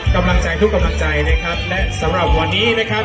กำลังใจทุกกำลังใจนะครับและสำหรับวันนี้นะครับ